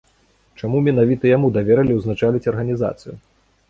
Чаму менавіта яму даверылі ўзначаліць арганізацыю?